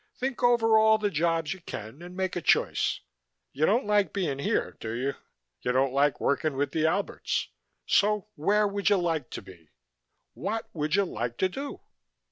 Think over all the jobs you can and make a choice. You don't like being here, do you? You don't like working with the Alberts. So where would you like to be? What would you like to do?"